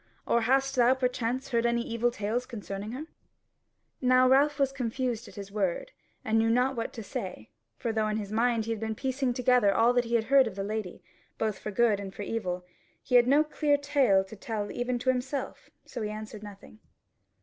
Or hast thou perchance heard any evil tales concerning her?" Now Ralph was confused at his word, and knew not what to say; for though in his mind he had been piecing together all that he had heard of the lady both for good and for evil, he had no clear tale to tell even to himself: so he answered nothing.